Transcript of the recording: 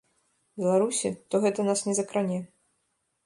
Беларусі, то гэта нас не закране.